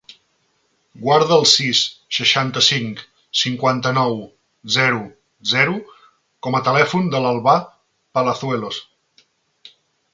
Guarda el sis, seixanta-cinc, cinquanta-nou, zero, zero com a telèfon de l'Albà Palazuelos.